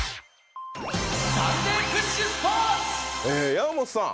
山本さん。